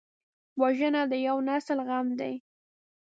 وژنه د یو نسل غم دی